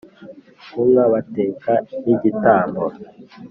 ku nka Bateka n igitambo